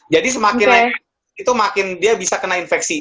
jadi semakin naik itu makin dia bisa kena infeksi